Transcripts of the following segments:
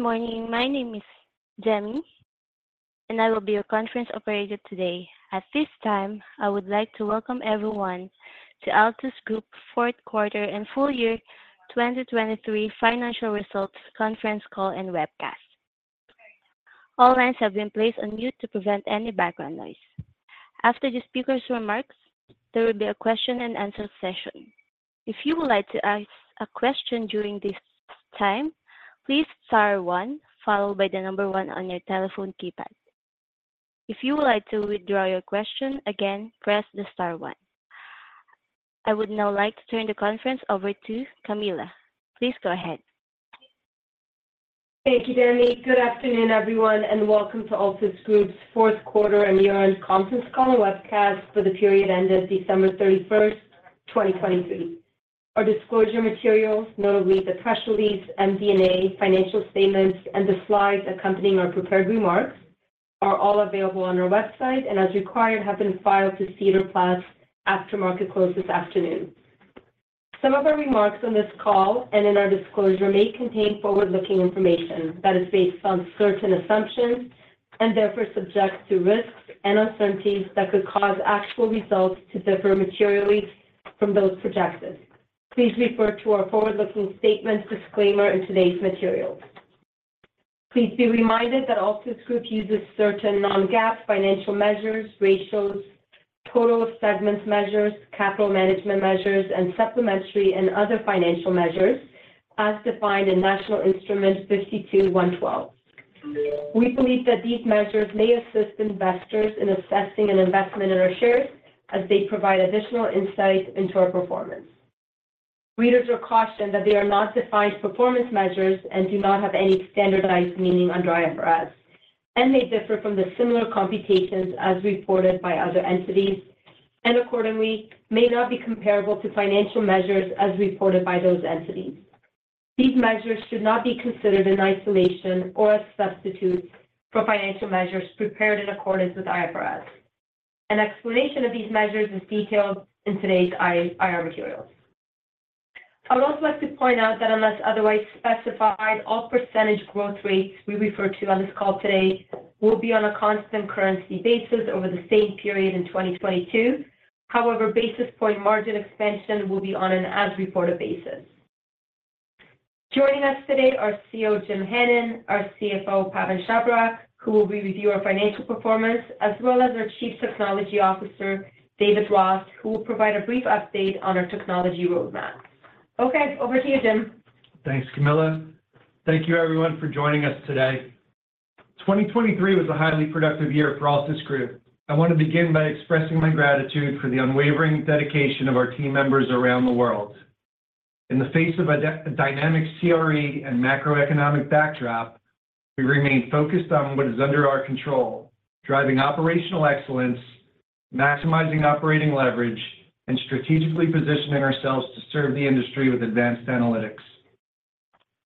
xGood morning. My name is Demi, and I will be your conference operator today. At this time, I would like to welcome everyone to Altus Group Fourth Quarter and Full Year 2023 Financial Results Conference Call and Webcast. All lines have been placed on mute to prevent any background noise. After the speaker's remarks, there will be a question-and-answer session. If you would like to ask a question during this time, please star one followed by the number one on your telephone keypad. If you would like to withdraw your question, again, press the star one. I would now like to turn the conference over to Camilla. Please go ahead. Thank you, Demi. Good afternoon, everyone, and welcome to Altus Group's Fourth Quarter and Year-End Conference Call and Webcast for the period ended December 31st, 2023. Our disclosure materials, notably the press release, MD&A financial statements, and the slides accompanying our prepared remarks, are all available on our website and, as required, have been filed to SEDAR+ after market close this afternoon. Some of our remarks on this call and in our disclosure may contain forward-looking information that is based on certain assumptions and therefore subject to risks and uncertainties that could cause actual results to differ materially from those projected. Please refer to our forward-looking statements disclaimer in today's materials. Please be reminded that Altus Group uses certain non-GAAP financial measures, ratios, total of segments measures, capital management measures, and supplementary and other financial measures as defined in National Instrument 52-112. We believe that these measures may assist investors in assessing an investment in our shares as they provide additional insight into our performance. Readers are cautioned that they are not defined performance measures and do not have any standardized meaning under IFRS, and may differ from the similar computations as reported by other entities, and accordingly may not be comparable to financial measures as reported by those entities. These measures should not be considered in isolation or as substitutes for financial measures prepared in accordance with IFRS. An explanation of these measures is detailed in today's IR materials. I would also like to point out that unless otherwise specified, all percentage growth rates we refer to on this call today will be on a constant currency basis over the same period in 2022. However, basis point margin expansion will be on an as-reported basis. Joining us today are CEO Jim Hannon, our CFO Pawan Chhabra, who will be reviewing our financial performance, as well as our Chief Technology Officer David Ross, who will provide a brief update on our technology roadmap. Okay. Over to you, Jim. Thanks, Camilla. Thank you, everyone, for joining us today. 2023 was a highly productive year for Altus Group. I want to begin by expressing my gratitude for the unwavering dedication of our team members around the world. In the face of a dynamic CRE and macroeconomic backdrop, we remain focused on what is under our control, driving operational excellence, maximizing operating leverage, and strategically positioning ourselves to serve the industry with advanced analytics.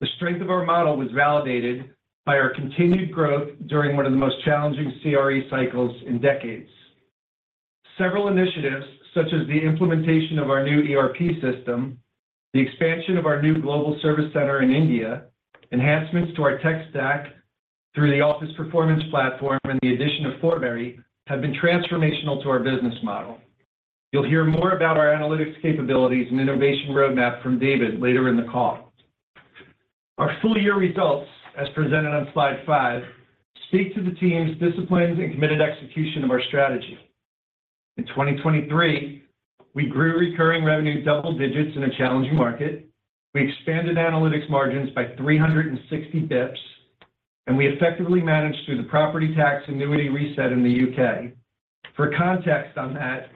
The strength of our model was validated by our continued growth during one of the most challenging CRE cycles in decades. Several initiatives, such as the implementation of our new ERP system, the expansion of our new global service center in India, enhancements to our tech stack through the Altus Performance Platform, and the addition of Forbury have been transformational to our business model. You'll hear more about our analytics capabilities and innovation roadmap from David later in the call. Our full year results, as presented on slide 5, speak to the team's disciplined and committed execution of our strategy. In 2023, we grew recurring revenue double-digits in a challenging market. We expanded analytics margins by 360 bps, and we effectively managed through the property tax annuity reset in the UK. For context on that,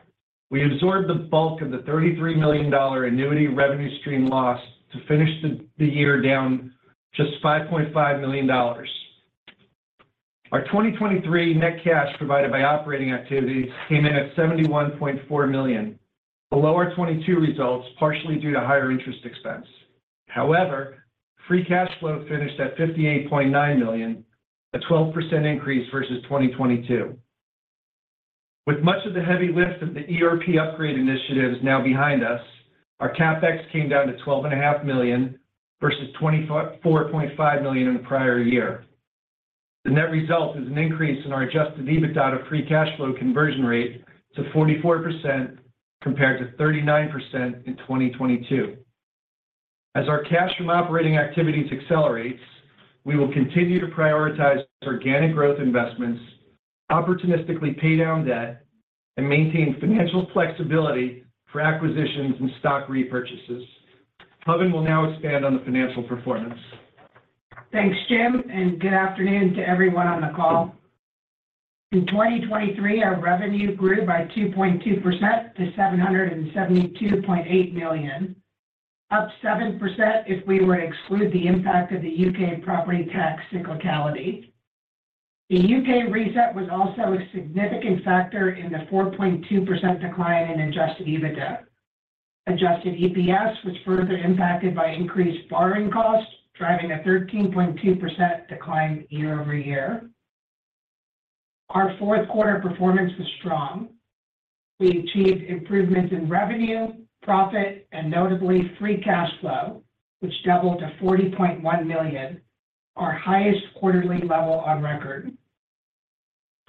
we absorbed the bulk of the 33 million dollar annuity revenue stream loss to finish the year down just 5.5 million dollars. Our 2023 net cash provided by operating activities came in at 71.4 million, below our 2022 results partially due to higher interest expense. However, free cash flow finished at 58.9 million, a 12% increase versus 2022. With much of the heavy lift of the ERP upgrade initiatives now behind us, our CapEx came down to 12.5 million versus 24.5 million in the prior year. The net result is an increase in our Adjusted EBITDA to free cash flow conversion rate to 44% compared to 39% in 2022. As our cash from operating activities accelerates, we will continue to prioritize organic growth investments, opportunistically pay down debt, and maintain financial flexibility for acquisitions and stock repurchases. Pawan will now expand on the financial performance. Thanks, Jim, and good afternoon to everyone on the call. In 2023, our revenue grew by 2.2% to 772.8 million, up 7% if we were to exclude the impact of the UK property tax cyclicality. The UK reset was also a significant factor in the 4.2% decline in adjusted EBITDA. Adjusted EPS was further impacted by increased borrowing costs, driving a 13.2% decline year-over-year. Our fourth quarter performance was strong. We achieved improvements in revenue, profit, and notably free cash flow, which doubled to 40.1 million, our highest quarterly level on record.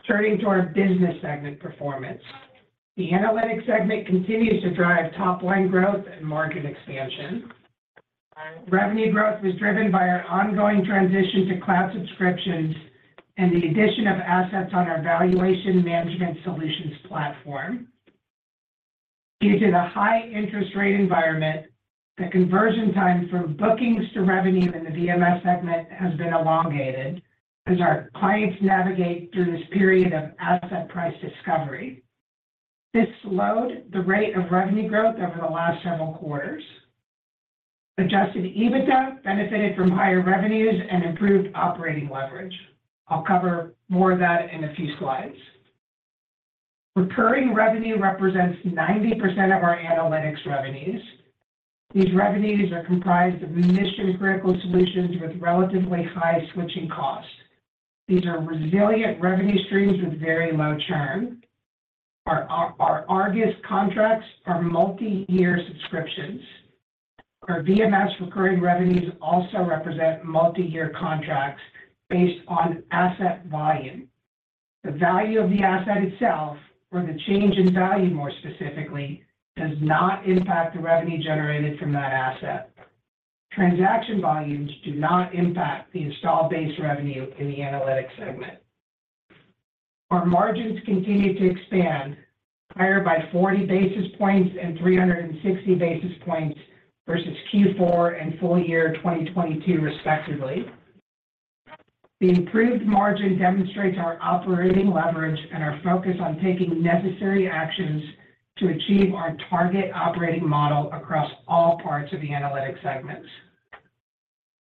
Turning to our business segment performance, the analytics segment continues to drive top-line growth and market expansion. Revenue growth was driven by our ongoing transition to cloud subscriptions and the addition of assets on our Valuation Management Solutions platform. Due to the high-interest-rate environment, the conversion time from bookings to revenue in the VMS segment has been elongated as our clients navigate through this period of asset price discovery. This slowed the rate of revenue growth over the last several quarters. Adjusted EBITDA benefited from higher revenues and improved operating leverage. I'll cover more of that in a few slides. Recurring revenue represents 90% of our analytics revenues. These revenues are comprised of mission-critical solutions with relatively high switching costs. These are resilient revenue streams with very low churn. Our Argus contracts are multi-year subscriptions. Our VMS recurring revenues also represent multi-year contracts based on asset volume. The value of the asset itself, or the change in value more specifically, does not impact the revenue generated from that asset. Transaction volumes do not impact the installed base revenue in the analytics segment. Our margins continue to expand, higher by 40 basis points and 360 basis points versus Q4 and full year 2022, respectively. The improved margin demonstrates our operating leverage and our focus on taking necessary actions to achieve our target operating model across all parts of the analytics segments.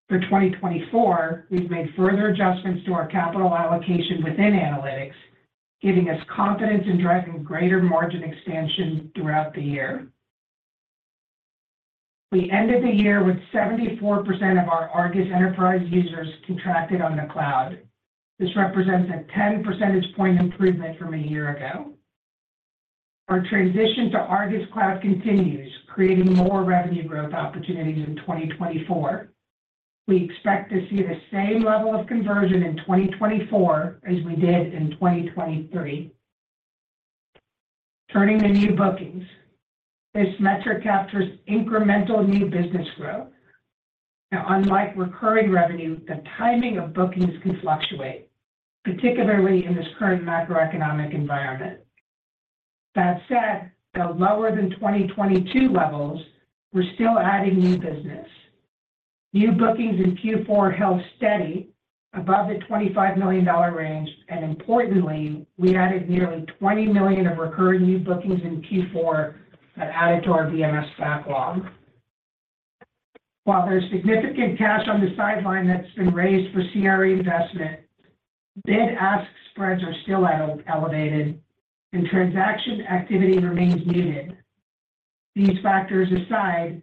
For 2024, we've made further adjustments to our capital allocation within analytics, giving us confidence in driving greater margin expansion throughout the year. We ended the year with 74% of our Argus Enterprise users contracted on the cloud. This represents a 10 percentage point improvement from a year ago. Our transition to Argus Cloud continues, creating more revenue growth opportunities in 2024. We expect to see the same level of conversion in 2024 as we did in 2023. Turning to new bookings, this metric captures incremental new business growth. Now, unlike recurring revenue, the timing of bookings can fluctuate, particularly in this current macroeconomic environment. That said, the lower than 2022 levels were still adding new business. New bookings in Q4 held steady above the $25 million range, and importantly, we added nearly $20 million of recurring new bookings in Q4 that added to our VMS backlog. While there's significant cash on the sideline that's been raised for CRE investment, bid-ask spreads are still elevated, and transaction activity remains muted. These factors aside,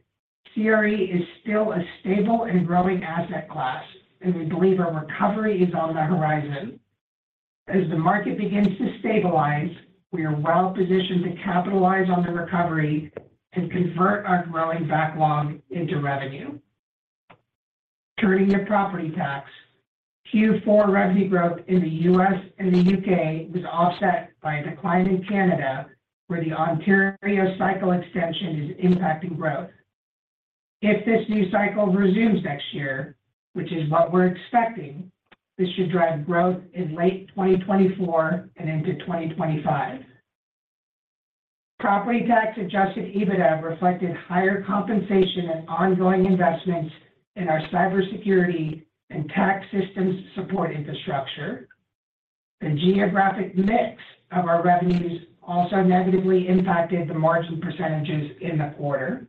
CRE is still a stable and growing asset class, and we believe our recovery is on the horizon. As the market begins to stabilize, we are well positioned to capitalize on the recovery and convert our growing backlog into revenue. Turning to Property Tax, Q4 revenue growth in the US and the UK was offset by a decline in Canada, where the Ontario cycle extension is impacting growth. If this new cycle resumes next year, which is what we're expecting, this should drive growth in late 2024 and into 2025. Property Tax Adjusted EBITDA reflected higher compensation and ongoing investments in our cybersecurity and tax systems support infrastructure. The geographic mix of our revenues also negatively impacted the margin percentages in the quarter.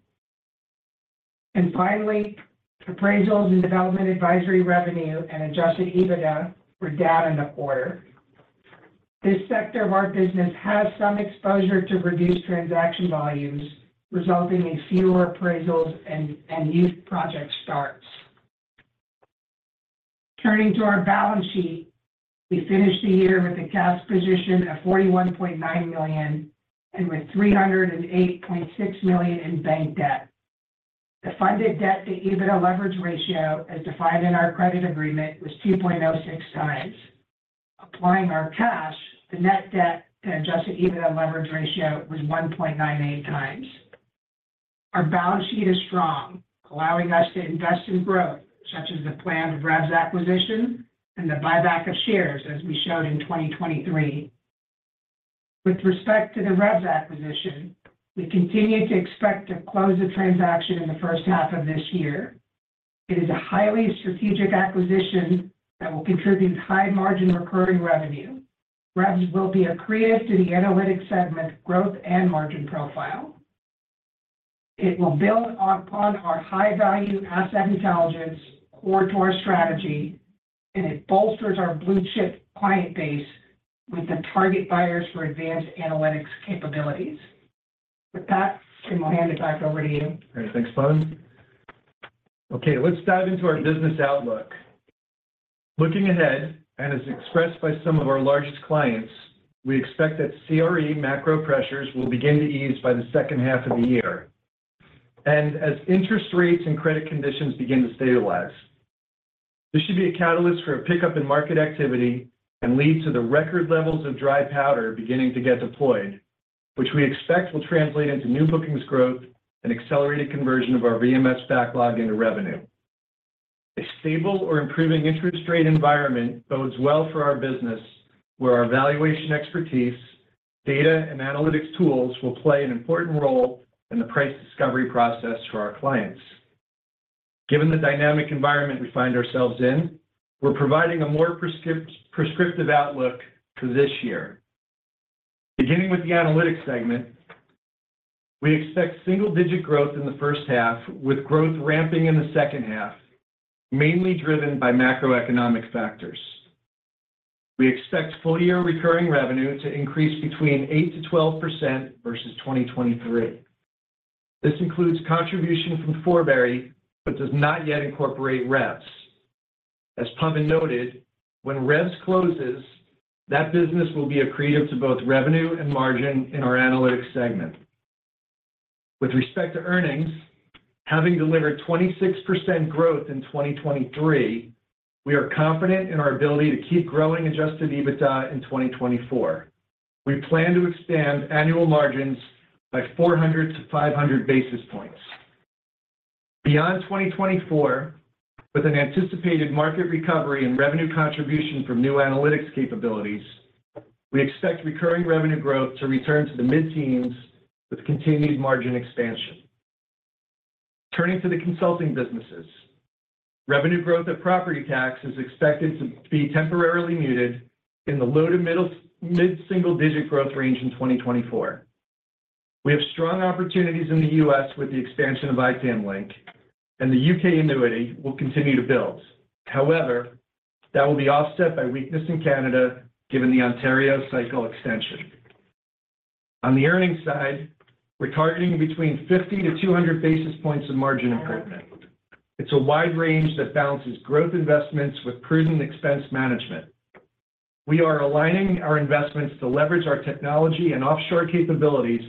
And finally, Appraisals and Development Advisory revenue and Adjusted EBITDA were down in the quarter. This sector of our business has some exposure to reduced transaction volumes, resulting in fewer appraisals and new project starts. Turning to our balance sheet, we finished the year with a cash position of 41.9 million and with 308.6 million in bank debt. The funded debt-to-EBITDA leverage ratio, as defined in our credit agreement, was 2.06 times. Applying our cash, the net debt-to-adjusted-EBITDA leverage ratio was 1.98x. Our balance sheet is strong, allowing us to invest in growth such as the planned REVS acquisition and the buyback of shares, as we showed in 2023. With respect to the REVS acquisition, we continue to expect to close the transaction in the first half of this year. It is a highly strategic acquisition that will contribute high-margin recurring revenue. REVS will be accretive to the analytics segment growth and margin profile. It will build upon our high-value asset intelligence core to our strategy, and it bolsters our blue-chip client base with the target buyers for advanced analytics capabilities. With that, Jim, I'll hand it back over to you. All right. Thanks, Pawan. Okay. Let's dive into our business outlook. Looking ahead, as expressed by some of our largest clients, we expect that CRE macro pressures will begin to ease by the second half of the year and as interest rates and credit conditions begin to stabilize. This should be a catalyst for a pickup in market activity and lead to the record levels of dry powder beginning to get deployed, which we expect will translate into new bookings growth and accelerated conversion of our VMS backlog into revenue. A stable or improving interest rate environment bodes well for our business, where our valuation expertise, data, and analytics tools will play an important role in the price discovery process for our clients. Given the dynamic environment we find ourselves in, we're providing a more prescriptive outlook for this year. Beginning with the analytics segment, we expect single-digit growth in the first half with growth ramping in the second half, mainly driven by macroeconomic factors. We expect full-year recurring revenue to increase between 8%-12% versus 2023. This includes contribution from Forbury but does not yet incorporate REVS. As Pawan noted, when REVS closes, that business will be accretive to both revenue and margin in our analytics segment. With respect to earnings, having delivered 26% growth in 2023, we are confident in our ability to keep growing Adjusted EBITDA in 2024. We plan to expand annual margins by 400-500 basis points. Beyond 2024, with an anticipated market recovery and revenue contribution from new analytics capabilities, we expect recurring revenue growth to return to the mid-teens with continued margin expansion. Turning to the consulting businesses, revenue growth at property tax is expected to be temporarily muted in the low to mid-single-digit growth range in 2024. We have strong opportunities in the US with the expansion of itamlink, and the UK annuity will continue to build. However, that will be offset by weakness in Canada given the Ontario cycle extension. On the earnings side, we're targeting between 50-200 basis points of margin improvement. It's a wide range that balances growth investments with prudent expense management. We are aligning our investments to leverage our technology and offshore capabilities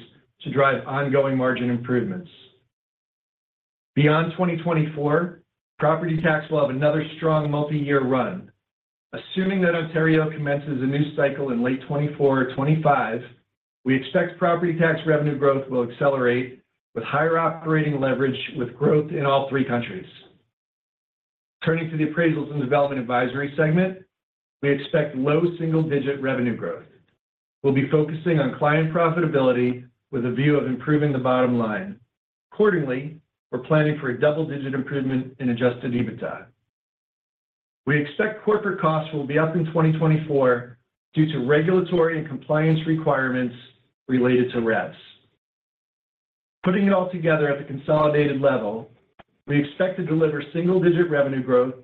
to drive ongoing margin improvements. Beyond 2024, property tax will have another strong multi-year run. Assuming that Ontario commences a new cycle in late 2024 or 2025, we expect property tax revenue growth will accelerate with higher operating leverage with growth in all three countries. Turning to the appraisals and development advisory segment, we expect low single-digit revenue growth. We'll be focusing on client profitability with a view of improving the bottom line. Accordingly, we're planning for a double-digit improvement in Adjusted EBITDA. We expect corporate costs will be up in 2024 due to regulatory and compliance requirements related to REVS. Putting it all together at the consolidated level, we expect to deliver single-digit revenue growth,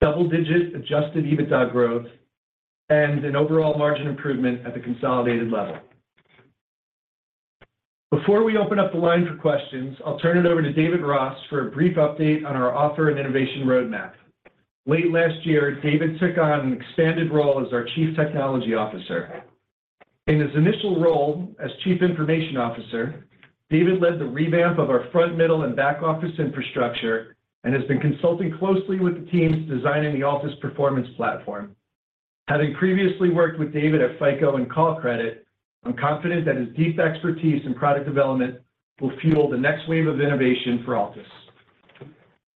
double-digit Adjusted EBITDA growth, and an overall margin improvement at the consolidated level. Before we open up the line for questions, I'll turn it over to David Ross for a brief update on our offer and innovation roadmap. Late last year, David took on an expanded role as our Chief Technology Officer. In his initial role as Chief Information Officer, David led the revamp of our front, middle, and back office infrastructure and has been consulting closely with the teams designing the Altus Performance Platform. Having previously worked with David at FICO and Callcredit, I'm confident that his deep expertise in product development will fuel the next wave of innovation for Altus.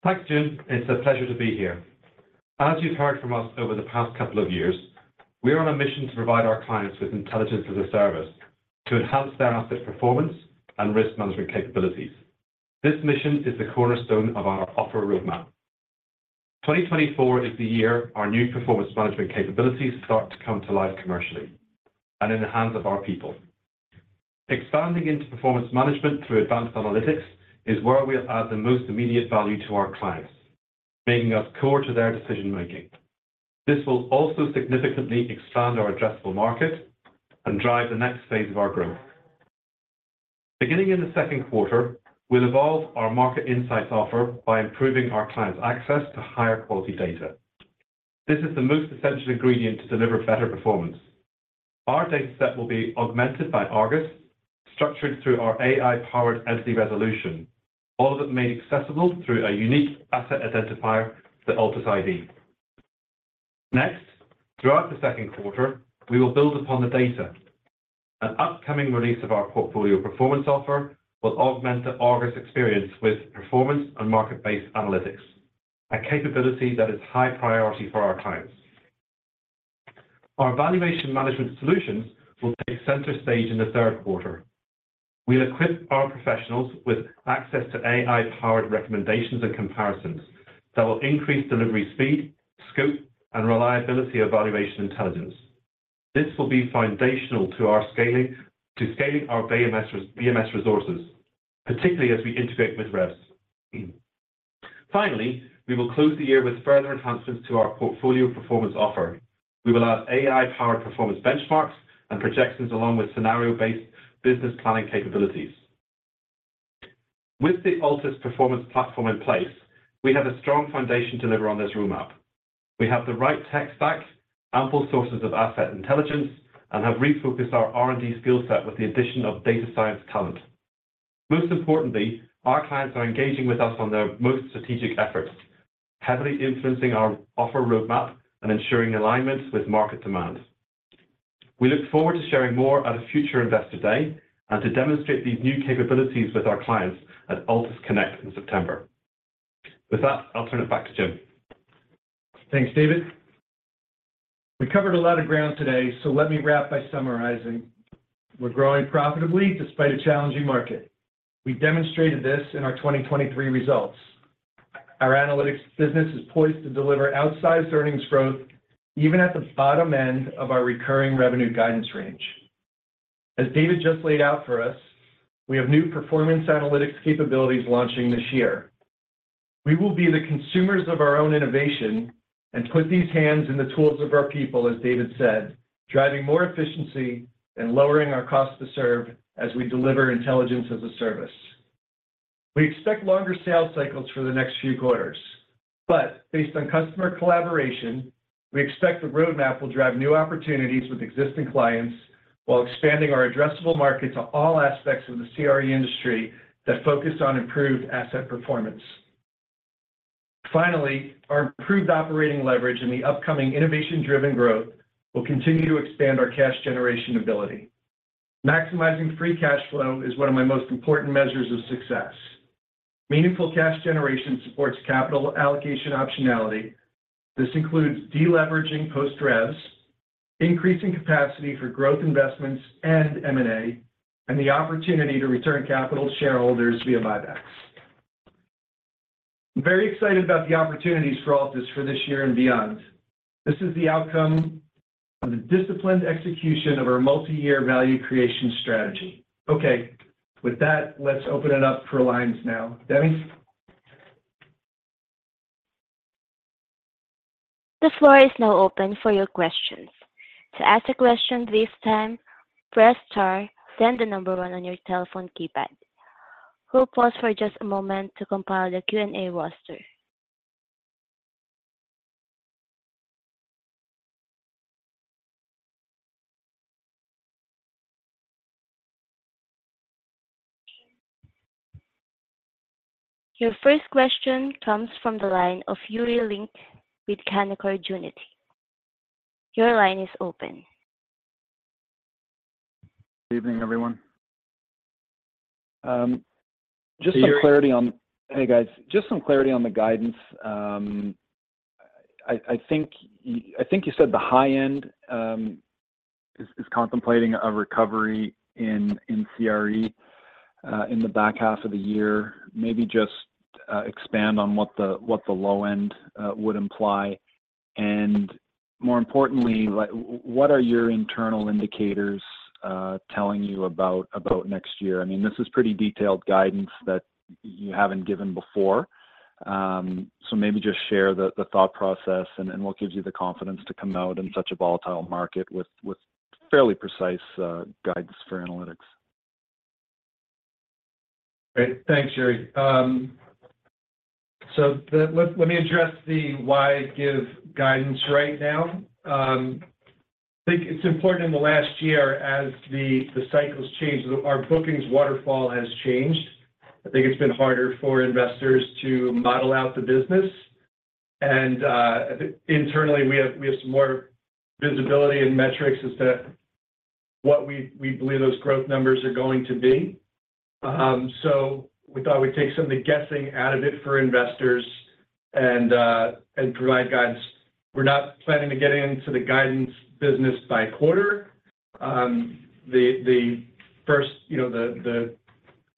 Thanks, Jim. It's a pleasure to be here. As you've heard from us over the past couple of years, we are on a mission to provide our clients with intelligence as a service to enhance their asset performance and risk management capabilities. This mission is the cornerstone of our offer roadmap. 2024 is the year our new performance management capabilities start to come to life commercially and in the hands of our people. Expanding into performance management through advanced analytics is where we'll add the most immediate value to our clients, making us core to their decision-making. This will also significantly expand our addressable market and drive the next phase of our growth. Beginning in the second quarter, we'll evolve our market insights offer by improving our clients' access to higher-quality data. This is the most essential ingredient to deliver better performance. Our dataset will be augmented by Argus, structured through our AI-powered entity resolution, all of it made accessible through a unique asset identifier, the Altus ID. Next, throughout the second quarter, we will build upon the data. An upcoming release of our portfolio performance offer will augment the Argus experience with performance and market-based analytics, a capability that is high priority for our clients. Our valuation management solutions will take center stage in the third quarter. We'll equip our professionals with access to AI-powered recommendations and comparisons that will increase delivery speed, scope, and reliability of valuation intelligence. This will be foundational to scaling our BMS resources, particularly as we integrate with REVS. Finally, we will close the year with further enhancements to our portfolio performance offer. We will add AI-powered performance benchmarks and projections along with scenario-based business planning capabilities. With the Altus Performance Platform in place, we have a strong foundation to deliver on this roadmap. We have the right tech stack, ample sources of asset intelligence, and have refocused our R&D skill set with the addition of data science talent. Most importantly, our clients are engaging with us on their most strategic efforts, heavily influencing our offer roadmap and ensuring alignment with market demand. We look forward to sharing more at a future Investor Day and to demonstrate these new capabilities with our clients at Altus Connect in September. With that, I'll turn it back to Jim. Thanks, David. We covered a lot of ground today, so let me wrap by summarizing. We're growing profitably despite a challenging market. We demonstrated this in our 2023 results. Our analytics business is poised to deliver outsized earnings growth even at the bottom end of our recurring revenue guidance range. As David just laid out for us, we have new performance analytics capabilities launching this year. We will be the consumers of our own innovation and put these hands in the tools of our people, as David said, driving more efficiency and lowering our cost to serve as we deliver intelligence as a service. We expect longer sales cycles for the next few quarters. But based on customer collaboration, we expect the roadmap will drive new opportunities with existing clients while expanding our addressable market to all aspects of the CRE industry that focus on improved asset performance. Finally, our improved operating leverage and the upcoming innovation-driven growth will continue to expand our cash generation ability. Maximizing free cash flow is one of my most important measures of success. Meaningful cash generation supports capital allocation optionality. This includes deleveraging post-Revs, increasing capacity for growth investments and M&A, and the opportunity to return capital to shareholders via buybacks. I'm very excited about the opportunities for Altus for this year and beyond. This is the outcome of the disciplined execution of our multi-year value creation strategy. Okay. With that, let's open it up for lines now. Demi? The floor is now open for your questions. To ask a question this time, press star, then the number one on your telephone keypad. We'll pause for just a moment to compile the Q&A roster. Your first question comes from the line of Yuri Lynk with Canaccord Genuity. Your line is open. Good evening, everyone. Just some clarity on. Hey, guys. Just some clarity on the guidance. I think you said the high end is contemplating a recovery in CRE in the back half of the year. Maybe just expand on what the low end would imply. And more importantly, what are your internal indicators telling you about next year? I mean, this is pretty detailed guidance that you haven't given before. So maybe just share the thought process, and what gives you the confidence to come out in such a volatile market with fairly precise guidance for analytics? Great. Thanks, Yuri. So let me address the why give guidance right now. I think it's important in the last year as the cycles change. Our bookings waterfall has changed. I think it's been harder for investors to model out the business. And internally, we have some more visibility and metrics as to what we believe those growth numbers are going to be. So we thought we'd take some of the guessing out of it for investors and provide guidance. We're not planning to get into the guidance business by quarter. The first, the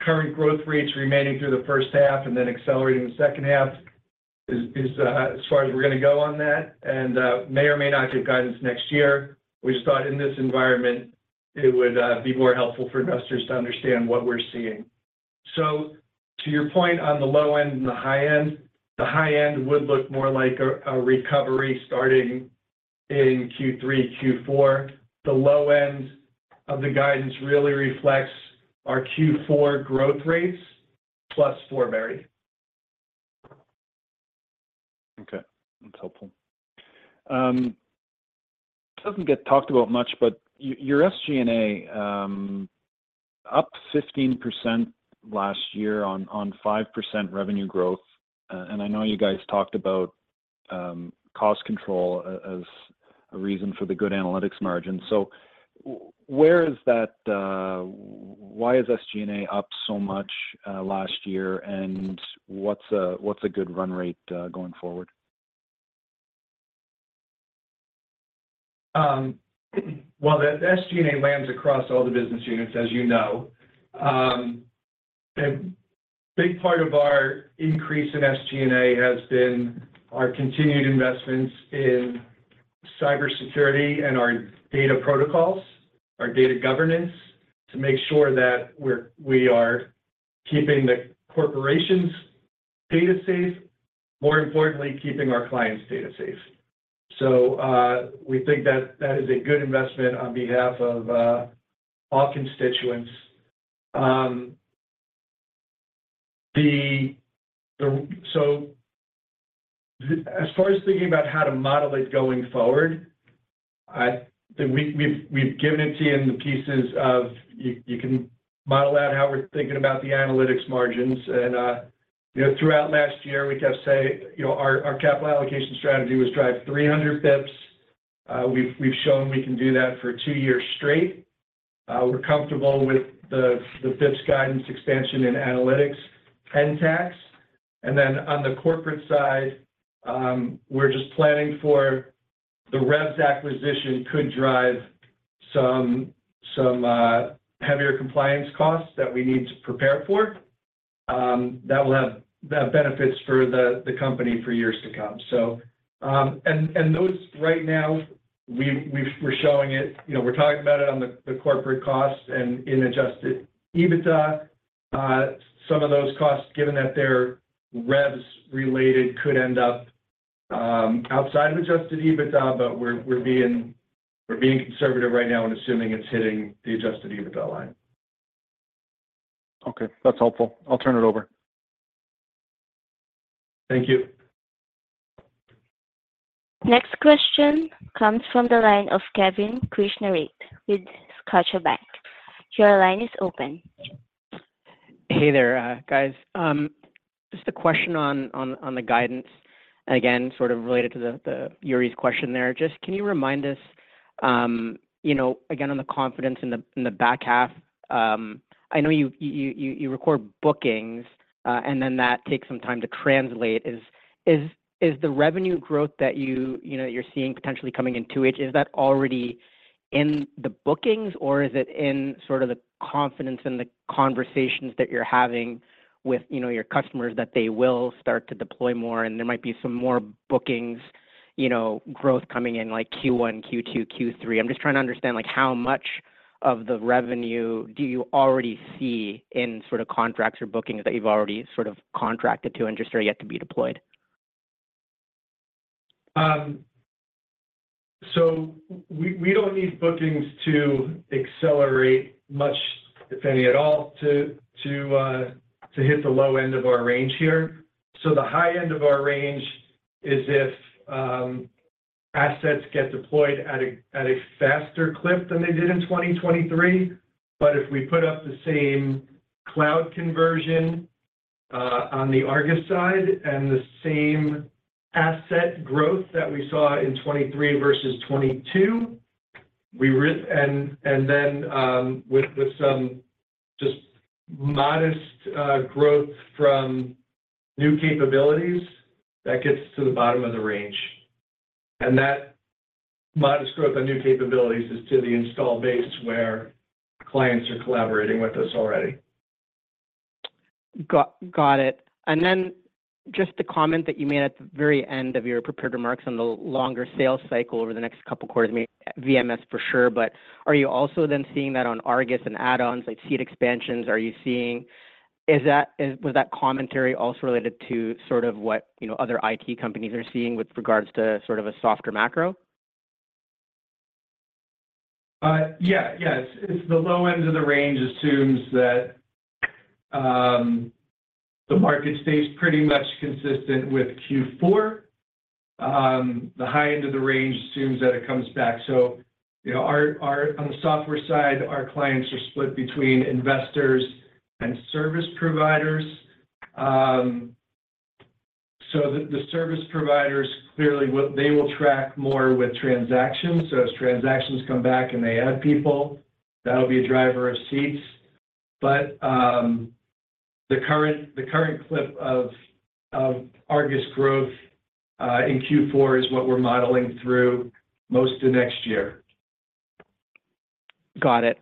current growth rates remaining through the first half and then accelerating the second half is as far as we're going to go on that and may or may not give guidance next year. We just thought in this environment, it would be more helpful for investors to understand what we're seeing. So to your point on the low end and the high end, the high end would look more like a recovery starting in Q3, Q4. The low end of the guidance really reflects our Q4 growth rates plus Forbury. Okay. That's helpful. It doesn't get talked about much, but your SG&A up 15% last year on 5% revenue growth. And I know you guys talked about cost control as a reason for the good analytics margin. So where is that? Why is SG&A up so much last year, and what's a good run rate going forward? Well, the SG&A lands across all the business units, as you know. A big part of our increase in SG&A has been our continued investments in cybersecurity and our data protocols, our data governance to make sure that we are keeping the corporations' data safe, more importantly, keeping our clients' data safe. So we think that that is a good investment on behalf of all constituents. So as far as thinking about how to model it going forward, we've given it to you in the pieces of you can model out how we're thinking about the analytics margins. And throughout last year, we kept saying our capital allocation strategy was drive 300 bps. We've shown we can do that for two years straight. We're comfortable with the bps guidance expansion in analytics and tax. And then on the corporate side, we're just planning for the REVS acquisition could drive some heavier compliance costs that we need to prepare for that will have benefits for the company for years to come. And those right now, we're showing it. We're talking about it on the corporate costs and in Adjusted EBITDA. Some of those costs, given that they're REVS-related, could end up outside of Adjusted EBITDA, but we're being conservative right now and assuming it's hitting the Adjusted EBITDA line. Okay. That's helpful. I'll turn it over. Thank you. Next question comes from the line of Kevin Krishnaratne with Scotiabank. Your line is open. Hey there, guys. Just a question on the guidance. And again, sort of related to Yuri's question there, just can you remind us, again, on the confidence in the back half? I know you record bookings, and then that takes some time to translate. Is the revenue growth that you're seeing potentially coming into it, is that already in the bookings, or is it in sort of the confidence and the conversations that you're having with your customers that they will start to deploy more? And there might be some more bookings growth coming in like Q1, Q2, Q3. I'm just trying to understand how much of the revenue do you already see in sort of contracts or bookings that you've already sort of contracted to and just are yet to be deployed? So we don't need bookings to accelerate much, if any at all, to hit the low end of our range here. So the high end of our range is if assets get deployed at a faster clip than they did in 2023. But if we put up the same cloud conversion on the Argus side and the same asset growth that we saw in 2023 versus 2022, and then with some just modest growth from new capabilities, that gets to the bottom of the range. And that modest growth on new capabilities is to the install base where clients are collaborating with us already. Got it. And then just the comment that you made at the very end of your prepared remarks on the longer sales cycle over the next couple of quarters, I mean, VMS for sure, but are you also then seeing that on Argus and add-ons like seed expansions? Was that commentary also related to sort of what other IT companies are seeing with regards to sort of a softer macro? Yeah. Yeah. It's the low end of the range assumes that the market stays pretty much consistent with Q4. The high end of the range assumes that it comes back. So on the software side, our clients are split between investors and service providers. So the service providers, clearly, they will track more with transactions. So as transactions come back and they add people, that'll be a driver of seats. But the current clip of Argus growth in Q4 is what we're modeling through most of next year. Got it.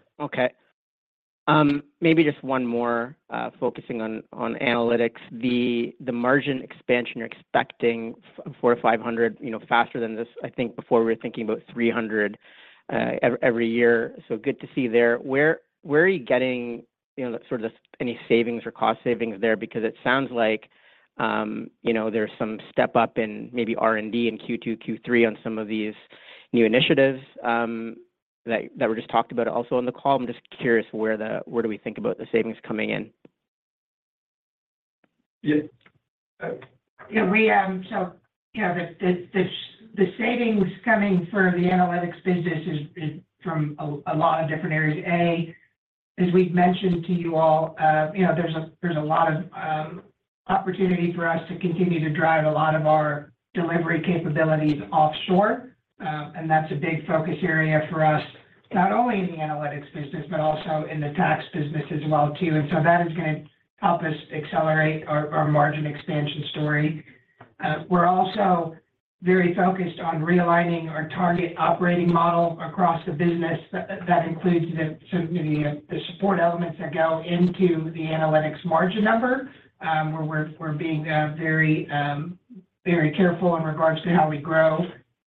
Okay. Maybe just one more focusing on analytics. The margin expansion you're expecting 400-500 faster than this, I think before we were thinking about 300 every year. So good to see there. Where are you getting sort of any savings or cost savings there? Because it sounds like there's some step up in maybe R&D in Q2, Q3 on some of these new initiatives that were just talked about also on the call. I'm just curious where do we think about the savings coming in? Yeah. So the savings coming for the analytics business is from a lot of different areas. A, as we've mentioned to you all, there's a lot of opportunity for us to continue to drive a lot of our delivery capabilities offshore. That's a big focus area for us, not only in the analytics business, but also in the tax business as well too. So that is going to help us accelerate our margin expansion story. We're also very focused on realigning our target operating model across the business. That includes maybe the support elements that go into the analytics margin number, where we're being very careful in regards to how we grow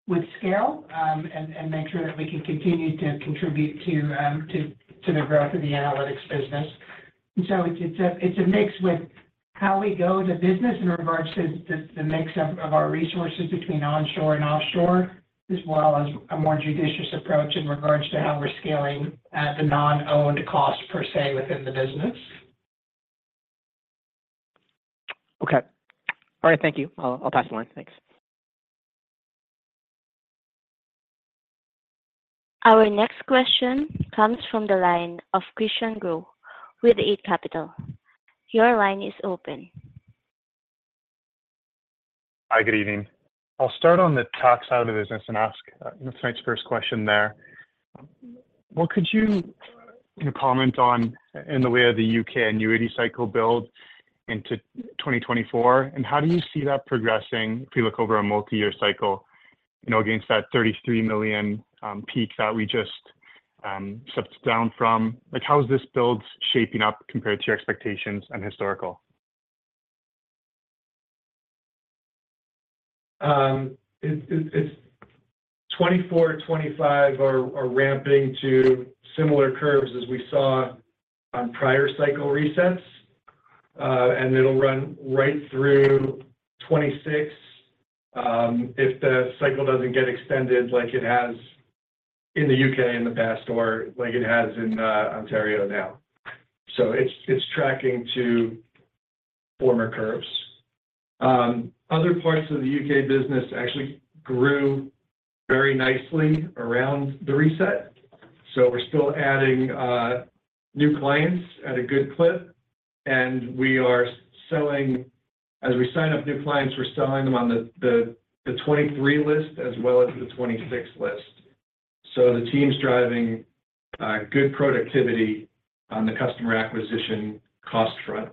with scale and make sure that we can continue to contribute to the growth of the analytics business. And so it's a mix with how we go to business in regards to the mix of our resources between onshore and offshore, as well as a more judicious approach in regards to how we're scaling the non-owned cost per se within the business. Okay. All right. Thank you. I'll pass the line. Thanks. Our next question comes from the line of Christian Sgro with Eight Capital. Your line is open. Hi. Good evening. I'll start on the Altus business and ask tonight's first question there. What could you comment on in the way of the UK annuity cycle build into 2024? And how do you see that progressing if we look over a multi-year cycle against that 33 million peak that we just stepped down from? How is this build shaping up compared to your expectations and historical? It's 2024, 2025 are ramping to similar curves as we saw on prior cycle resets. And it'll run right through 2026 if the cycle doesn't get extended like it has in the UK in the past or like it has in Ontario now. So it's tracking to former curves. Other parts of the UK business actually grew very nicely around the reset. So we're still adding new clients at a good clip. And as we sign up new clients, we're selling them on the 2023 list as well as the 2026 list. So the team's driving good productivity on the customer acquisition cost front.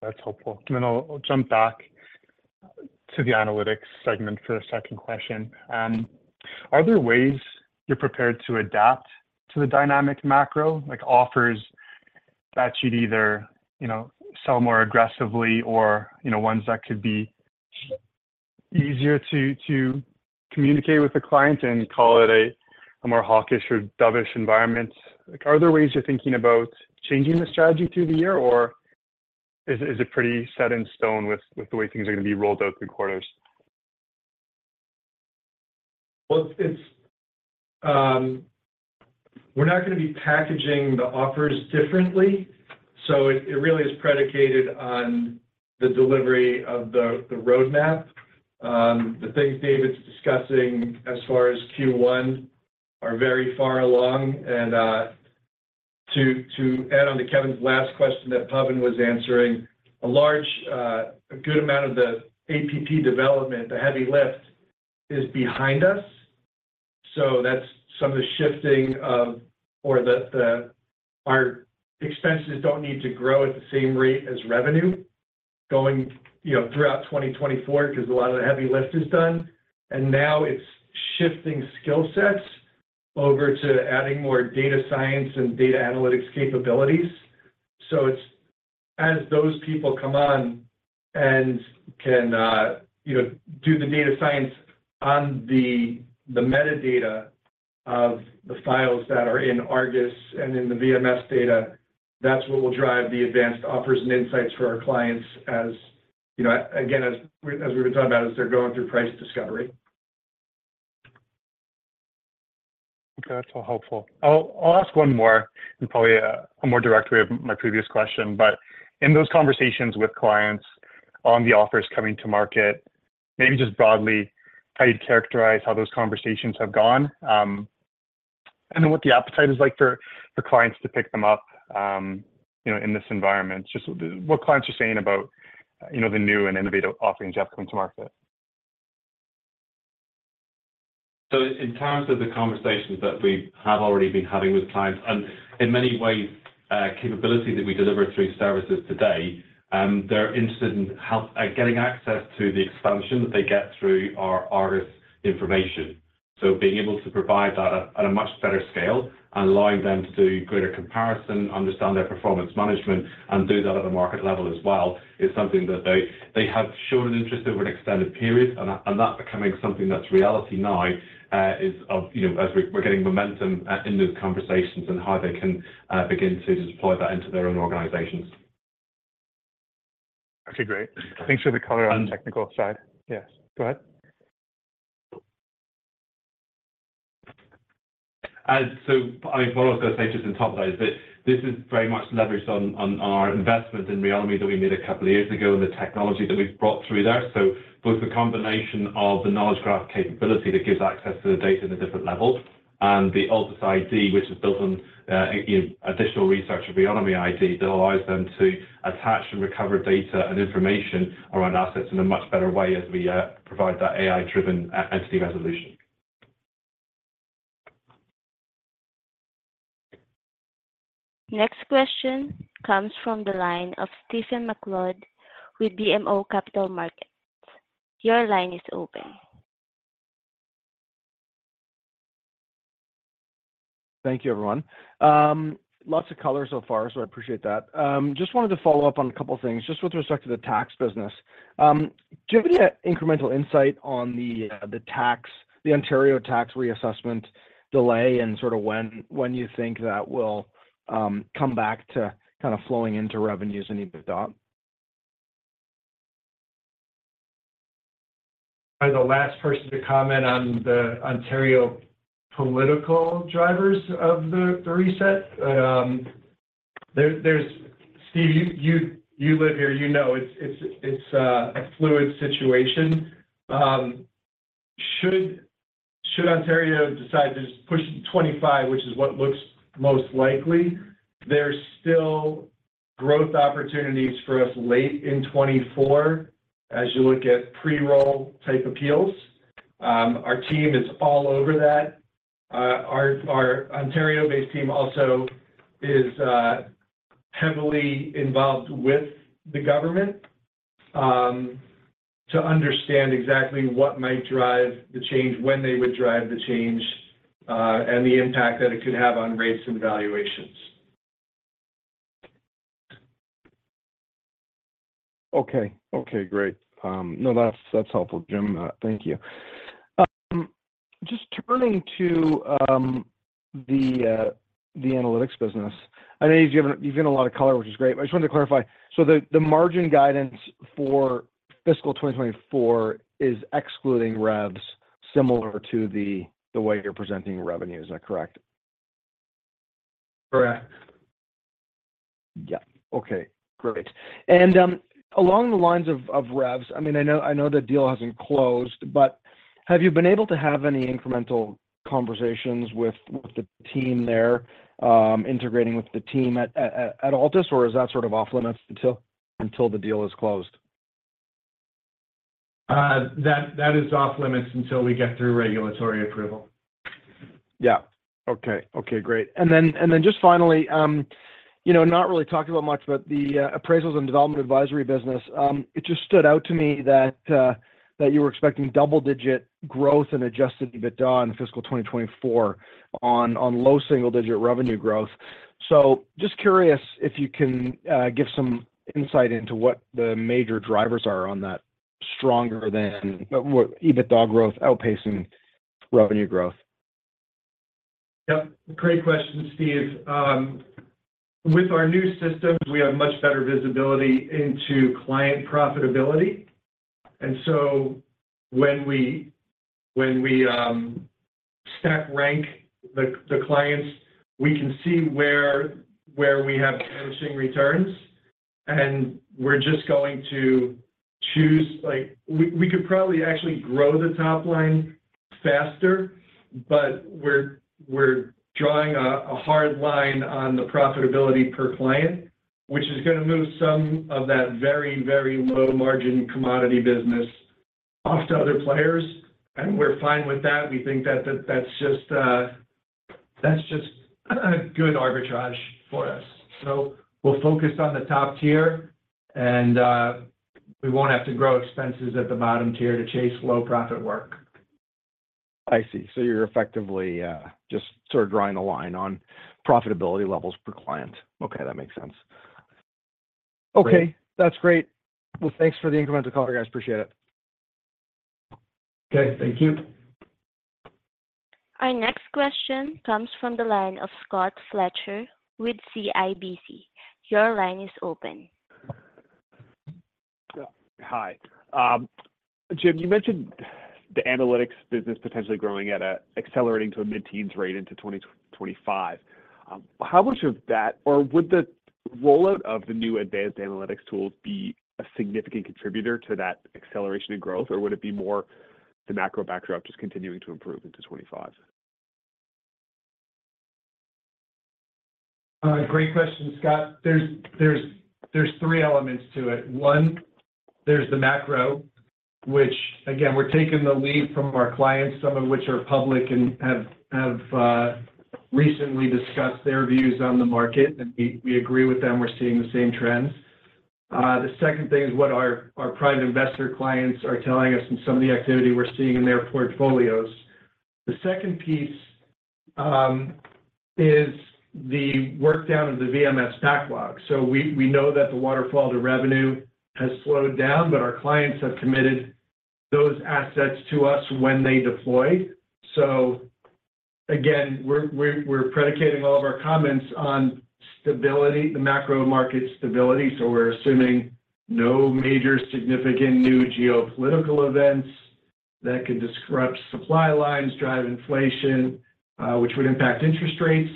That's helpful. And then I'll jump back to the analytics segment for a second question. Are there ways you're prepared to adapt to the dynamic macro, offers that you'd either sell more aggressively or ones that could be easier to communicate with the client and call it a more hawkish or dovish environment? Are there ways you're thinking about changing the strategy through the year, or is it pretty set in stone with the way things are going to be rolled out through quarters? Well, we're not going to be packaging the offers differently. So it really is predicated on the delivery of the roadmap. The things David's discussing as far as Q1 are very far along. And to add on to Kevin's last question that Pawan was answering, a good amount of the APP development, the heavy lift, is behind us. So that's some of the shifting of or our expenses don't need to grow at the same rate as revenue throughout 2024 because a lot of the heavy lift is done. And now it's shifting skill sets over to adding more data science and data analytics capabilities. So, as those people come on and can do the data science on the metadata of the files that are in Argus and in the VMS data, that's what will drive the advanced offers and insights for our clients, again, as we've been talking about, as they're going through price discovery. Okay. That's all helpful. I'll ask one more and probably a more direct way of my previous question. But in those conversations with clients on the offers coming to market, maybe just broadly, how you'd characterize how those conversations have gone? And then what the appetite is like for clients to pick them up in this environment? Just what clients are saying about the new and innovative offerings you have coming to market. So in terms of the conversations that we have already been having with clients, and in many ways, capability that we deliver through services today, they're interested in getting access to the expansion that they get through our Argus information. So being able to provide that at a much better scale and allowing them to do greater comparison, understand their performance management, and do that at a market level as well is something that they have shown an interest over an extended period. And that becoming something that's reality now is as we're getting momentum in those conversations and how they can begin to deploy that into their own organizations. Okay. Great. Thanks for the color on the technical side. Yes. Go ahead. So I mean, what I was going to say just on top of that is that this is very much leveraged on our investment in Reonomy that we made a couple of years ago and the technology that we've brought through there. So both the combination of the knowledge graph capability that gives access to the data in a different level and the Altus ID, which is built on additional research of Reonomy ID that allows them to attach and recover data and information around assets in a much better way as we provide that AI-driven entity resolution. Next question comes from the line of Stephen MacLeod with BMO Capital Markets. Your line is open. Thank you, everyone. Lots of colors so far, so I appreciate that. Just wanted to follow up on a couple of things just with respect to the tax business. Do you have any incremental insight on the Ontario tax reassessment delay and sort of when you think that will come back to kind of flowing into revenues and EBITDA? I'm the last person to comment on the Ontario political drivers of the reset. Steph, you live here. You know it's a fluid situation. Should Ontario decide to just push to 2025, which is what looks most likely, there's still growth opportunities for us late in 2024 as you look at pre-roll type appeals. Our team is all over that. Our Ontario-based team also is heavily involved with the government to understand exactly what might drive the change, when they would drive the change, and the impact that it could have on rates and valuations. Okay. Okay. Great. No, that's helpful, Jim. Thank you. Just turning to the analytics business, I know you've given a lot of color, which is great. I just wanted to clarify. So the margin guidance for fiscal 2024 is excluding REVS similar to the way you're presenting revenue. Is that correct? Correct. Yeah. Okay. Great. And along the lines of REVS, I mean, I know the deal hasn't closed, but have you been able to have any incremental conversations with the team there, integrating with the team at Altus, or is that sort of off-limits until the deal is closed? That is off-limits until we get through regulatory approval. Yeah. Okay. Okay. Great. And then just finally, not really talked about much, but the Appraisals and Development Advisory business, it just stood out to me that you were expecting double-digit growth in Adjusted EBITDA in fiscal 2024 on low single-digit revenue growth. So just curious if you can give some insight into what the major drivers are on that stronger than EBITDA growth outpacing revenue growth. Yep. Great question, Steph. With our new systems, we have much better visibility into client profitability. And so when we stack rank the clients, we can see where we have damaging returns. And we're just going to choose we could probably actually grow the top line faster, but we're drawing a hard line on the profitability per client, which is going to move some of that very, very low-margin commodity business off to other players. And we're fine with that. We think that that's just a good arbitrage for us. So we'll focus on the top tier, and we won't have to grow expenses at the bottom tier to chase low-profit work. I see. So you're effectively just sort of drawing a line on profitability levels per client. Okay. That makes sense. Okay. That's great. Well, thanks for the incremental color, guys. Appreciate it. Okay. Thank you. Our next question comes from the line of Scott Fletcher with CIBC. Your line is open. Hi. Jim, you mentioned the analytics business potentially growing at an accelerating to a mid-teens rate into 2025. How much of that or would the rollout of the new advanced analytics tools be a significant contributor to that acceleration in growth, or would it be more the macro backdrop just continuing to improve into 2025? Great question, Scott. There's three elements to it. One, there's the macro, which, again, we're taking the lead from our clients, some of which are public and have recently discussed their views on the market. And we agree with them. We're seeing the same trends. The second thing is what our private investor clients are telling us and some of the activity we're seeing in their portfolios. The second piece is the workdown of the VMS backlog. So we know that the waterfall to revenue has slowed down, but our clients have committed those assets to us when they deploy. So again, we're predicating all of our comments on the macro market stability. So we're assuming no major significant new geopolitical events that could disrupt supply lines, drive inflation, which would impact interest rates.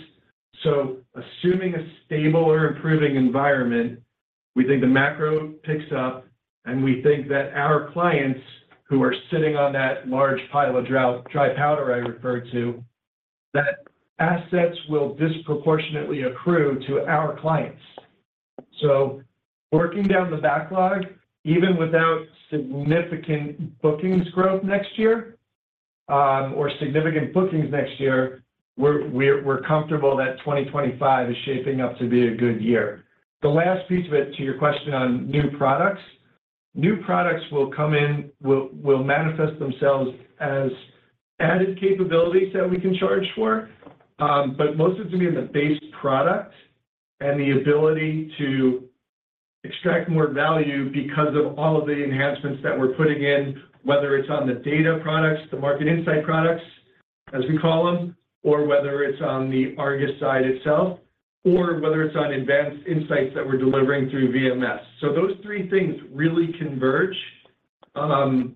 So assuming a stable or improving environment, we think the macro picks up, and we think that our clients who are sitting on that large pile of dry powder I referred to, that assets will disproportionately accrue to our clients. So working down the backlog, even without significant bookings growth next year or significant bookings next year, we're comfortable that 2025 is shaping up to be a good year. The last piece of it to your question on new products, new products will come in, will manifest themselves as added capabilities that we can charge for. But most of it's going to be in the base product and the ability to extract more value because of all of the enhancements that we're putting in, whether it's on the data products, the market insight products, as we call them, or whether it's on the Argus side itself, or whether it's on advanced insights that we're delivering through VMS. So those three things really converge to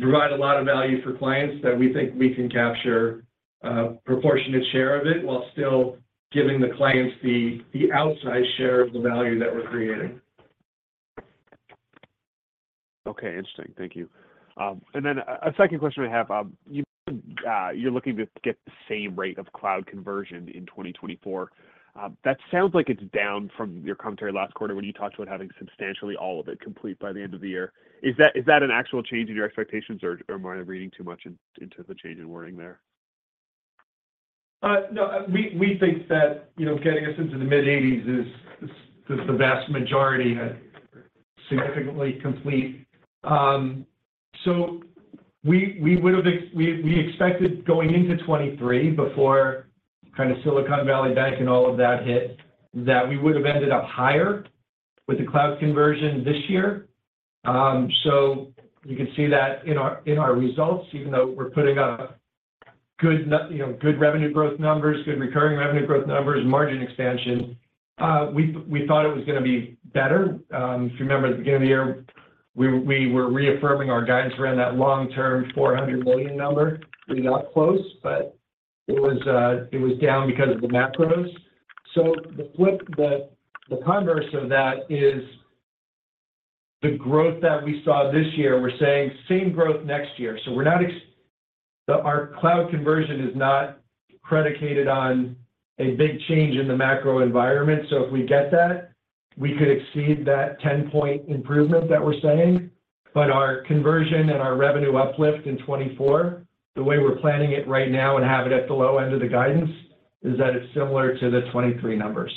provide a lot of value for clients that we think we can capture a proportionate share of it while still giving the clients the outside share of the value that we're creating. Okay. Interesting. Thank you. And then a second question I have. You're looking to get the same rate of cloud conversion in 2024. That sounds like it's down from your commentary last quarter when you talked about having substantially all of it complete by the end of the year. Is that an actual change in your expectations, or am I reading too much into the change in wording there? No. We think that getting us into the mid-80s is the vast majority at significantly complete. So we would have expected going into 2023 before kind of Silicon Valley Bank and all of that hit, that we would have ended up higher with the cloud conversion this year. So you can see that in our results, even though we're putting up good revenue growth numbers, good recurring revenue growth numbers, margin expansion, we thought it was going to be better. If you remember at the beginning of the year, we were reaffirming our guidance around that long-term 400 million number. We got close, but it was down because of the macros. So the converse of that is the growth that we saw this year, we're saying same growth next year. So our cloud conversion is not predicated on a big change in the macro environment. So if we get that, we could exceed that 10-point improvement that we're saying. But our conversion and our revenue uplift in 2024, the way we're planning it right now and have it at the low end of the guidance is that it's similar to the 2023 numbers.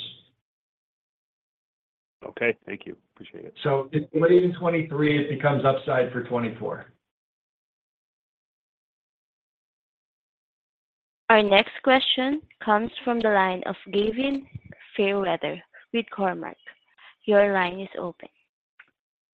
Okay. Thank you. Appreciate it. So if we're late in 2023, it becomes upside for 2024. Our next question comes from the line of Gavin Fairweather with Cormark. Your line is open.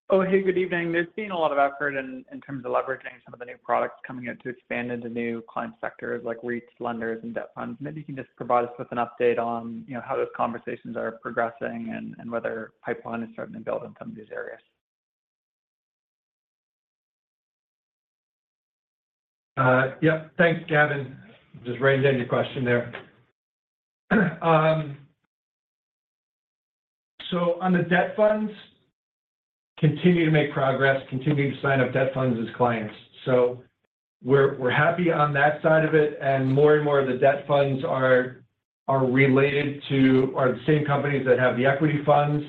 Oh, hey. Good evening. There's been a lot of effort in terms of leveraging some of the new products coming out to expand into new client sectors like REITs, lenders, and debt funds. Maybe you can just provide us with an update on how those conversations are progressing and whether pipeline is starting to build in some of these areas? Yep. Thanks, Gavin. Just reined in your question there. So on the debt funds, continue to make progress, continue to sign up debt funds as clients. So we're happy on that side of it. And more and more, the debt funds are related to are the same companies that have the equity funds,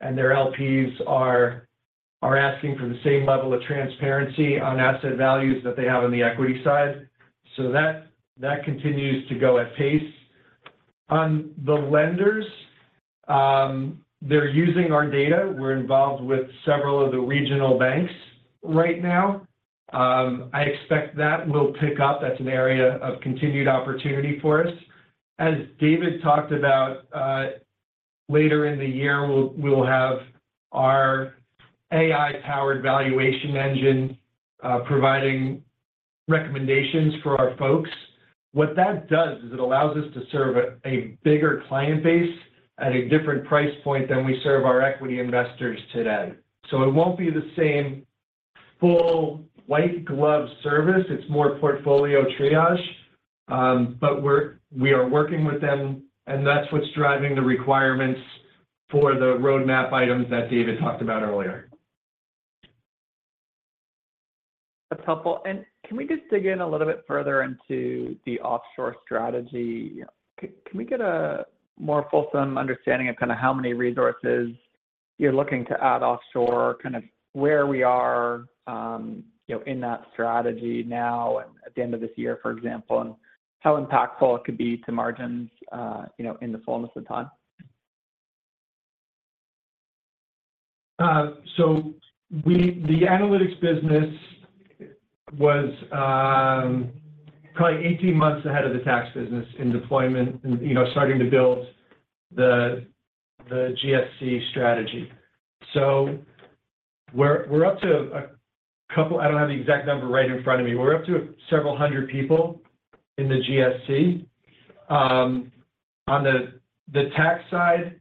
and their LPs are asking for the same level of transparency on asset values that they have on the equity side. So that continues to go at pace. On the lenders, they're using our data. We're involved with several of the regional banks right now. I expect that will pick up. That's an area of continued opportunity for us. As David talked about, later in the year, we'll have our AI-powered valuation engine providing recommendations for our folks. What that does is it allows us to serve a bigger client base at a different price point than we serve our equity investors today. So it won't be the same full white-glove service. It's more portfolio triage. But we are working with them, and that's what's driving the requirements for the roadmap items that David talked about earlier. That's helpful. Can we just dig in a little bit further into the offshore strategy? Can we get a more fulsome understanding of kind of how many resources you're looking to add offshore, kind of where we are in that strategy now and at the end of this year, for example, and how impactful it could be to margins in the fullness of time? So the analytics business was probably 18 months ahead of the tax business in deployment and starting to build the GSC strategy. So we're up to a couple. I don't have the exact number right in front of me. We're up to several hundred people in the GSC. On the tax side,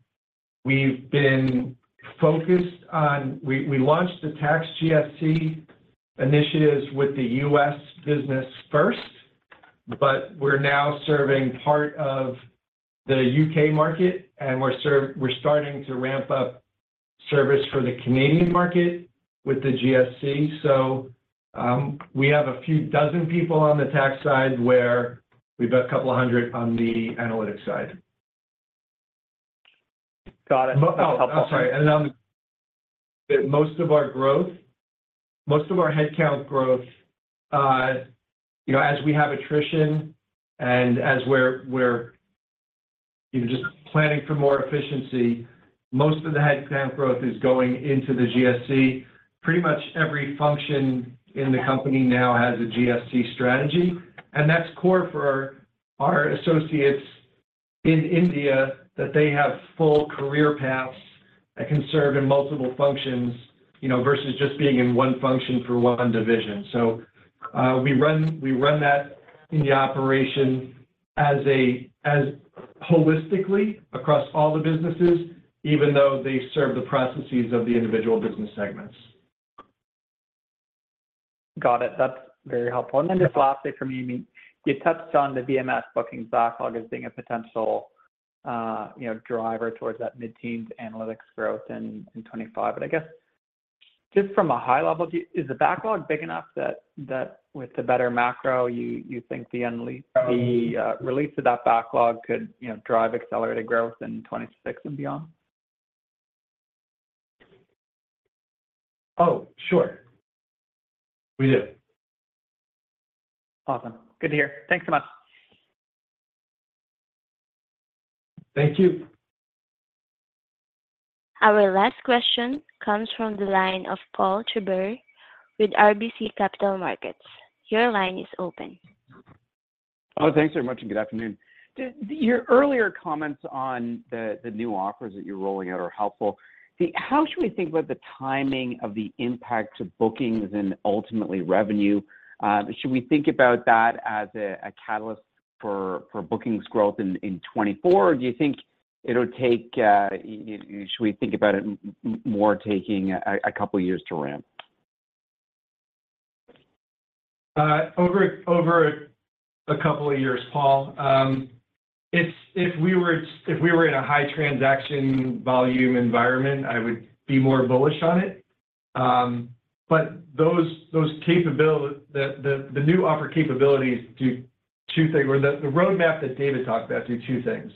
we've been focused on. We launched the tax GSC initiatives with the US business first, but we're now serving part of the UK market, and we're starting to ramp up service for the Canadian market with the GSC. So we have a few dozen people on the tax side where we've got a couple hundred on the analytics side. Got it. That's helpful. Oh, I'm sorry. On the most of our growth, most of our headcount growth, as we have attrition and as we're just planning for more efficiency, most of the headcount growth is going into the GSC. Pretty much every function in the company now has a GSC strategy. And that's core for our associates in India that they have full career paths that can serve in multiple functions versus just being in one function for one division. So we run that in the operation holistically across all the businesses, even though they serve the processes of the individual business segments. Got it. That's very helpful. And then just lastly from me, you touched on the VMS bookings backlog as being a potential driver towards that mid-teens analytics growth in 2025. But I guess just from a high level, is the backlog big enough that with the better macro, you think the release of that backlog could drive accelerated growth in 2026 and beyond? Oh, sure. We do. Awesome. Good to hear. Thanks so much. Thank you. Our last question comes from the line of Paul Treiber with RBC Capital Markets. Your line is open. Oh, thanks very much. Good afternoon. Your earlier comments on the new offers that you're rolling out are helpful. How should we think about the timing of the impact to bookings and ultimately revenue? Should we think about that as a catalyst for bookings growth in 2024, or do you think it'll take should we think about it more taking a couple of years to ramp? Over a couple of years, Paul. If we were in a high transaction volume environment, I would be more bullish on it. But the new offer capabilities do two things or the roadmap that David talked about do two things.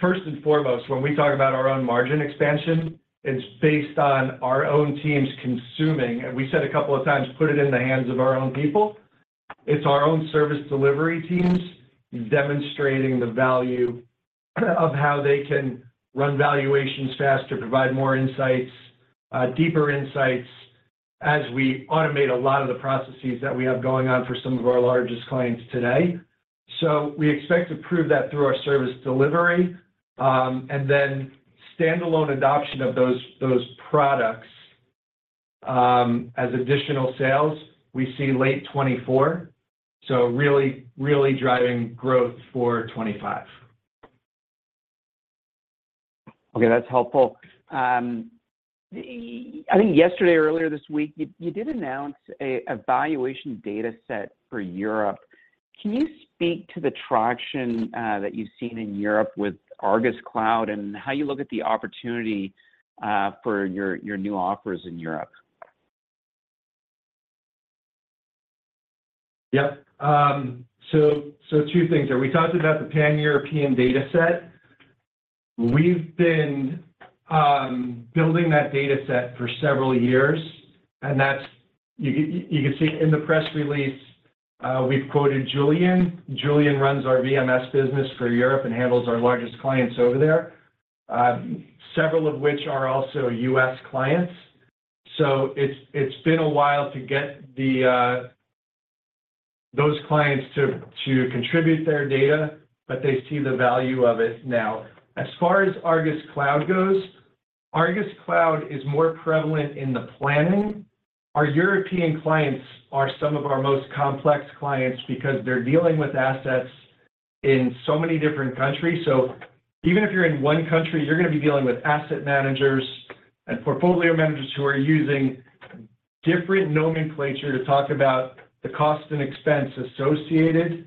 First and foremost, when we talk about our own margin expansion, it's based on our own teams consuming. And we said a couple of times, put it in the hands of our own people. It's our own service delivery teams demonstrating the value of how they can run valuations faster, provide more insights, deeper insights as we automate a lot of the processes that we have going on for some of our largest clients today. So we expect to prove that through our service delivery. And then standalone adoption of those products as additional sales, we see late 2024, so really, really driving growth for 2025. Okay. That's helpful. I think yesterday or earlier this week, you did announce a valuation dataset for Europe. Can you speak to the traction that you've seen in Europe with Argus Cloud and how you look at the opportunity for your new offers in Europe? Yep. So two things there. We talked about the Pan-European dataset. We've been building that dataset for several years. And you can see in the press release, we've quoted Julian. Julian runs our VMS business for Europe and handles our largest clients over there, several of which are also US clients. So it's been a while to get those clients to contribute their data, but they see the value of it now. As far as Argus Cloud goes, Argus Cloud is more prevalent in the planning. Our European clients are some of our most complex clients because they're dealing with assets in so many different countries. So even if you're in one country, you're going to be dealing with asset managers and portfolio managers who are using different nomenclature to talk about the cost and expense associated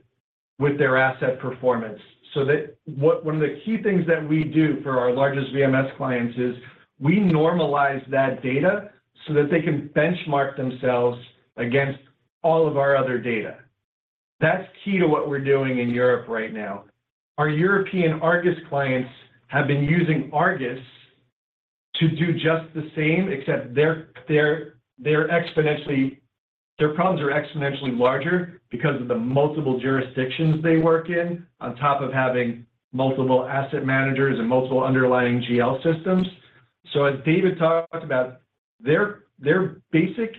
with their asset performance. So one of the key things that we do for our largest VMS clients is we normalize that data so that they can benchmark themselves against all of our other data. That's key to what we're doing in Europe right now. Our European Argus clients have been using Argus to do just the same, except their problems are exponentially larger because of the multiple jurisdictions they work in on top of having multiple asset managers and multiple underlying GL systems. So as David talked about, their basic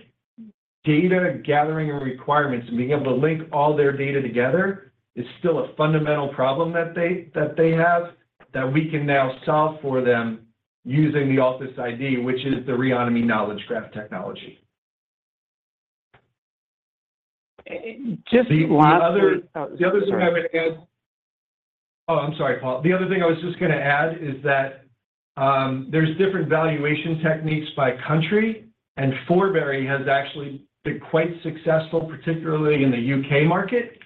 data gathering requirements and being able to link all their data together is still a fundamental problem that they have that we can now solve for them using the Altus ID, which is the Reonomy knowledge graph technology. The other. The other thing I would add oh, I'm sorry, Paul. The other thing I was just going to add is that there's different valuation techniques by country. And Forbury has actually been quite successful, particularly in the UK market.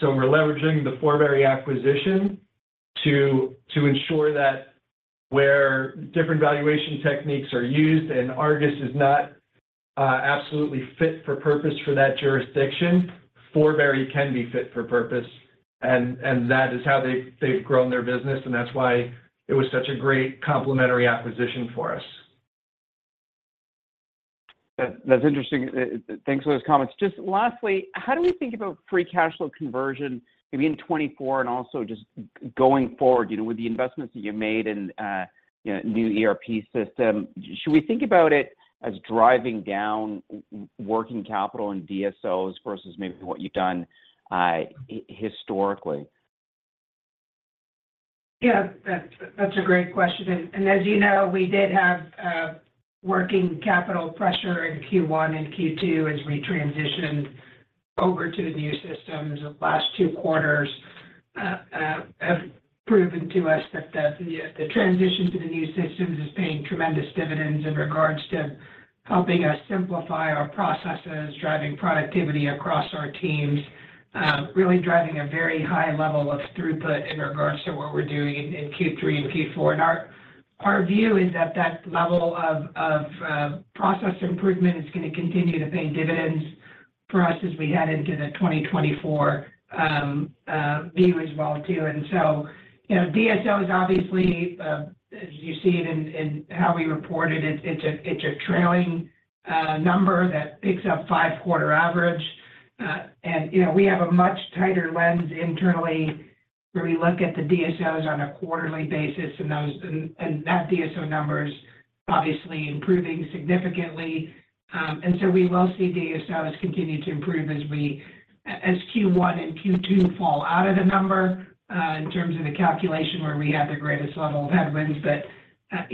So we're leveraging the Forbury acquisition to ensure that where different valuation techniques are used and Argus is not absolutely fit for purpose for that jurisdiction, Forbury can be fit for purpose. And that is how they've grown their business, and that's why it was such a great complementary acquisition for us. That's interesting. Thanks for those comments. Just lastly, how do we think about free cash flow conversion, maybe in 2024 and also just going forward with the investments that you made in a new ERP system? Should we think about it as driving down working capital in DSOs versus maybe what you've done historically? Yeah. That's a great question. And as you know, we did have working capital pressure in Q1 and Q2 as we transitioned over to the new systems. The last two quarters have proven to us that the transition to the new systems is paying tremendous dividends in regards to helping us simplify our processes, driving productivity across our teams, really driving a very high level of throughput in regards to what we're doing in Q3 and Q4. And our view is that that level of process improvement is going to continue to pay dividends for us as we head into the 2024 view as well too. And so DSOs, obviously, as you see it in how we reported, it's a trailing number that picks up five-quarter average. We have a much tighter lens internally where we look at the DSOs on a quarterly basis and that DSO number is obviously improving significantly. So we will see DSOs continue to improve as Q1 and Q2 fall out of the number in terms of the calculation where we have the greatest level of headwinds. But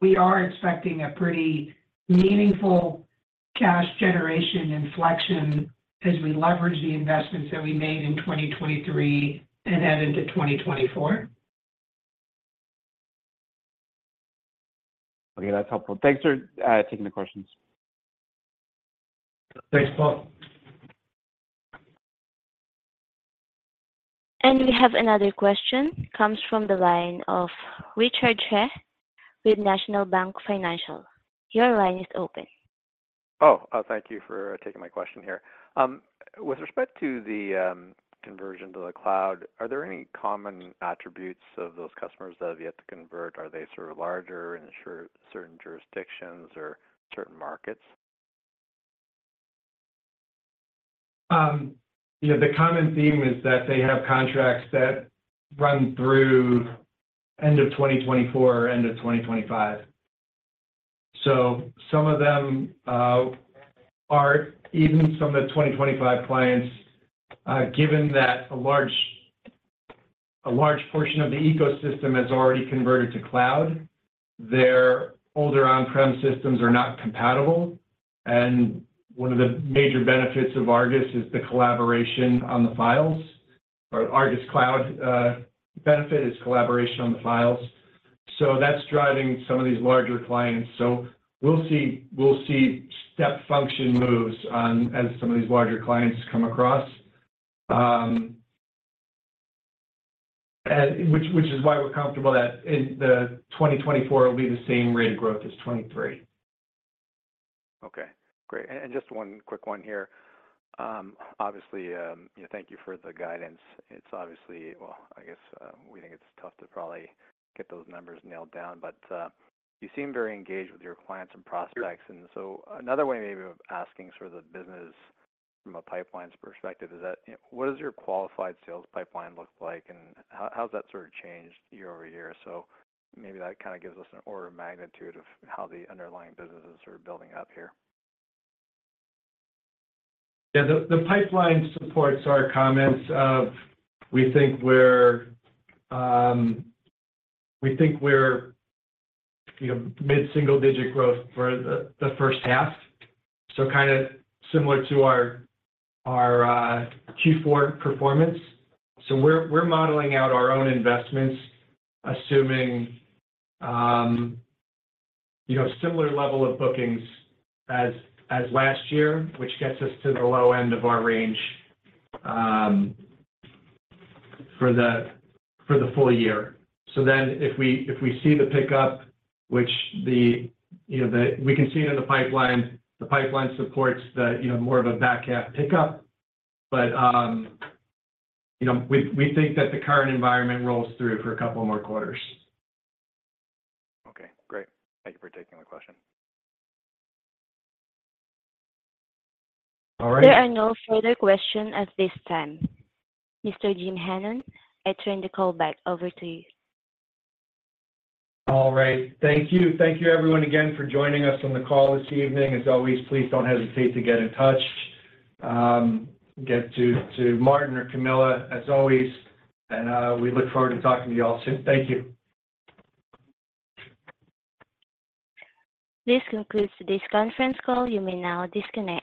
we are expecting a pretty meaningful cash generation inflection as we leverage the investments that we made in 2023 and head into 2024. Okay. That's helpful. Thanks for taking the questions. Thanks, Paul. We have another question. It comes from the line of Richard Tse with National Bank Financial. Your line is open. Oh, thank you for taking my question here. With respect to the conversion to the cloud, are there any common attributes of those customers that have yet to convert? Are they sort of larger in certain jurisdictions or certain markets? The common theme is that they have contracts that run through end of 2024, end of 2025. So some of them are even some of the 2025 clients, given that a large portion of the ecosystem has already converted to cloud, their older on-prem systems are not compatible. And one of the major benefits of Argus is the collaboration on the files. Or Argus Cloud benefit is collaboration on the files. So that's driving some of these larger clients. So we'll see step function moves as some of these larger clients come across, which is why we're comfortable that in the 2024, it'll be the same rate of growth as 2023. Okay. Great. And just one quick one here. Obviously, thank you for the guidance. Well, I guess we think it's tough to probably get those numbers nailed down, but you seem very engaged with your clients and prospects. And so another way maybe of asking sort of the business from a pipelines perspective is that what does your qualified sales pipeline look like, and how's that sort of changed year-over-year? So maybe that kind of gives us an order of magnitude of how the underlying business is sort of building up here. Yeah. The pipeline supports our comments of we think we're mid-single-digit growth for the first half, so kind of similar to our Q4 performance. So we're modeling out our own investments, assuming a similar level of bookings as last year, which gets us to the low end of our range for the full year. So then if we see the pickup, which we can see it in the pipeline, the pipeline supports more of a back half pickup. But we think that the current environment rolls through for a couple more quarters. Okay. Great. Thank you for taking the question. All right. There are no further questions at this time. Mr. Jim Hannon, I turn the call back over to you. All right. Thank you. Thank you, everyone, again for joining us on the call this evening. As always, please don't hesitate to get in touch. Get to Martin or Camilla, as always. We look forward to talking to you all soon. Thank you. This concludes this conference call. You may now disconnect.